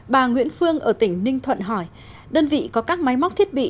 bà nguyễn phương ở tỉnh ninh thuận hỏi đơn vị có các máy móc thiết bị